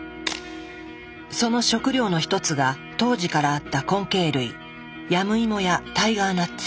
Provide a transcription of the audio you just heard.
その食料の一つが当時からあった根茎類ヤムイモやタイガーナッツ。